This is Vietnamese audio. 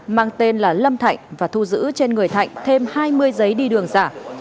mang tên là lâm thạnh và thu giữ trên người thạnh thêm hai mươi giấy đi đường giả